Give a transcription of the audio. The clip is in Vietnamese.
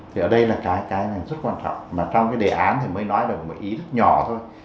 thì ở đây là cái rất quan trọng mà trong cái đề án thì mới nói được một ý rất nhỏ thôi